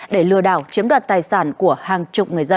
để lừa đảo chiếm đoạt tài sản của hàng chục người dân